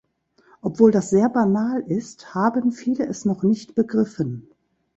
Obwohl das sehr banal ist, haben viele es noch nicht begriffen.